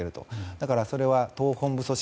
だからそれは党本部組織。